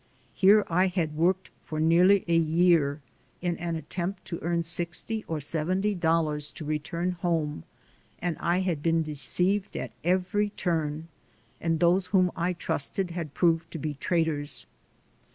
Here I had worked for nearly a year in an attempt to earn sixty or seventy dollars to return home, and I had been deceived at every turn, and those whom I trusted had proved to be traitors.